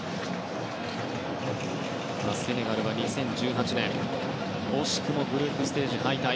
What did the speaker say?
セネガルは２０１８年惜しくもグループステージ敗退。